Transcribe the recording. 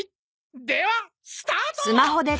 ではスタート！